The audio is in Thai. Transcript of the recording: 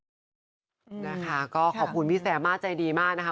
นะคะก็ขอบคุณพี่แซมมากใจดีมากนะคะ